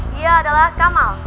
dia adalah kamal